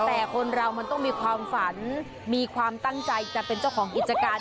แต่คนเรามันต้องมีความฝันมีความตั้งใจจะเป็นเจ้าของกิจการ